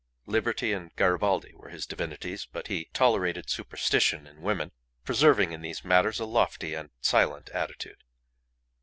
Liberty and Garibaldi were his divinities; but he tolerated "superstition" in women, preserving in these matters a lofty and silent attitude.